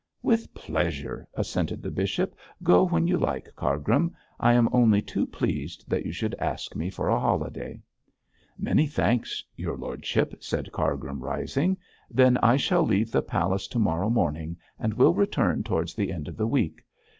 'With pleasure,' assented the bishop; 'go when you like, Cargrim. I am only too pleased that you should ask me for a holiday.' 'Many thanks, your lordship,' said Cargrim, rising. 'Then I shall leave the palace to morrow morning, and will return towards the end of the week.